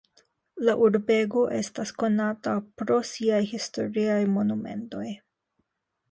La urbego estas konata pro siaj historiaj monumentoj.